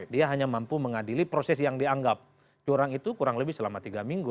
dia hanya mampu mengadili proses yang dianggap curang itu kurang lebih selama tiga minggu